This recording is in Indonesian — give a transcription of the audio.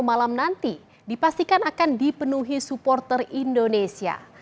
malam nanti dipastikan akan dipenuhi supporter indonesia